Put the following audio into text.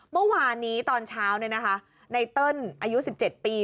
เมื่อวานนี้ตอนเช้าไนเติ้ลอายุ๑๗ปี